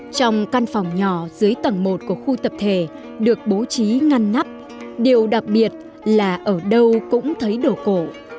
trong căn phòng nhỏ dưới tầng một của khu tập thể được bố trí ngăn nắp điều đặc biệt là ở đâu cũng thấy đồ cổ